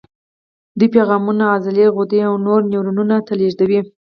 دوی پیغامونه عضلې، غدې او نورو نیورونونو ته لېږدوي.